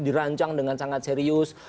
berancang dengan sangat serius